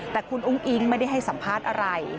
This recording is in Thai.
แต่คุณอุ้งอิ๊งไม่ได้ให้สัมภาษณ์อะไร